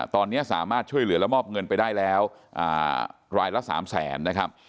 ตอนนี้สามารถช่วยเหลือและมอบเงินไปได้แล้วรายละ๓แสนนะครับ